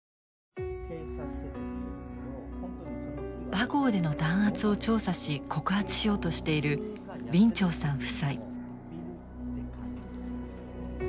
バゴーでの弾圧を調査し告発しようとしているウィン・チョウさん夫妻。